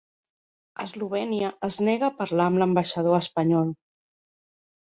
Eslovènia es nega a parlar amb l'ambaixador espanyol